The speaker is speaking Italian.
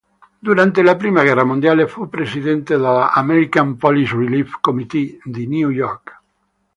Durante la prima guerra mondiale fu presidente della "American-Polish Relief Committee" di New York.